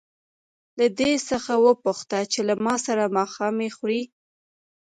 له دې څخه وپوښته چې له ما سره ماښامنۍ خوري.